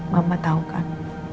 mama tahu kan